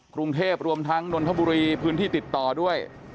กรุงเทพรวมทั้งนนทบุรีพื้นที่ติดต่อด้วย